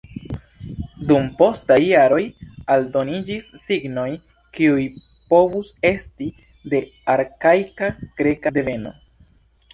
Dum postaj jaroj aldoniĝis signoj, kiuj povus esti de arkaika greka deveno.